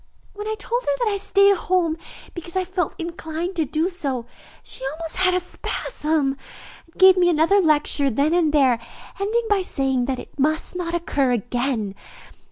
"When I told her that I stayed at home because I felt inclined to do so, she almost had a spasm, and gave me another lecture then and there, ending up by saying that it must not occur again.